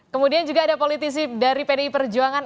kemudian juga ada politisi dari pdi perjuangan